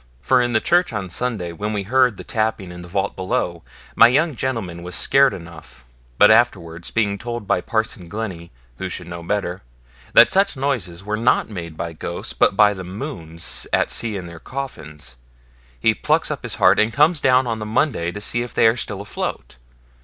For in the church on Sunday, when we heard the tapping in the vault below, my young gentleman was scared enough; but afterwards, being told by Parson Glennie who should know better that such noises were not made by ghosts, but by the Mohunes at sea in their coffins, he plucks up heart, and comes down on the Monday to see if they are still afloat.